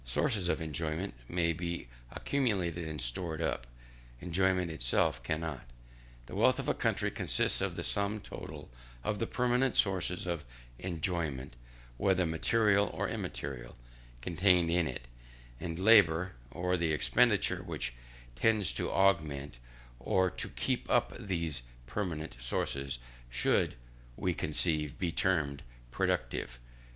Sources of enjoyment may be accumulated and stored up; enjoyment itself cannot. The wealth of a country consists of the sum total of the permanent sources of enjoyment, whether material or immaterial, contained in it: and labour or expenditure which tends to augment or to keep up these permanent sources, should, we conceive, be termed productive.